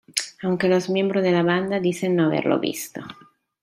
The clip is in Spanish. Aunque los miembros de la banda dicen no haberlo visto.